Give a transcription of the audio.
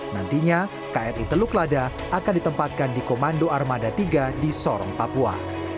nantinya kri teluk lada akan ditempatkan di komando armada tiga di sorong papua